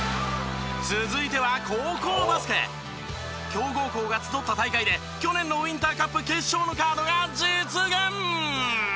強豪校が集った大会で去年のウインターカップ決勝のカードが実現！